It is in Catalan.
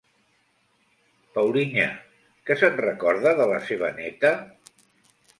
Paulinha, que se'n recorda de la seva neta?